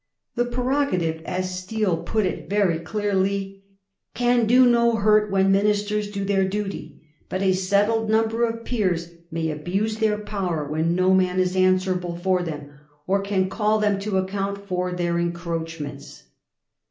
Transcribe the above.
The prerogative, as Steele put it very clearly, *can do no hurt when ministers do their duty ; but a settled number of Peers may abuse their power when no man is answerable for them, or can call them to account for their encroachments.'